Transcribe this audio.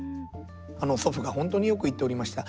祖父が本当によく言っておりました。